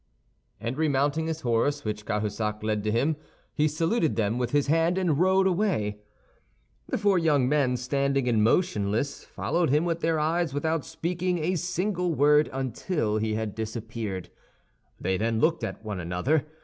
And remounting his horse, which Cahusac led to him, he saluted them with his hand, and rode away. The four young men, standing and motionless, followed him with their eyes without speaking a single word until he had disappeared. Then they looked at one another.